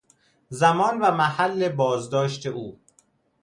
زمان و محل بازداشت او